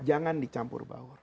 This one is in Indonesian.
jangan dicampur baur